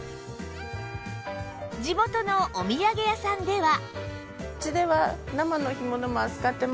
地元のお土産屋さんでは